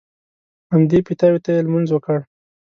همدې پیتاوي ته یې لمونځ وکړ.